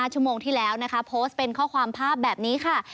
ชั่วโมงที่แล้วนะคะโพสต์เป็นข้อความภาพแบบนี้ค่ะ